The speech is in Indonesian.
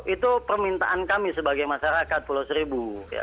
itu permintaan kami sebagai masyarakat pulau seribu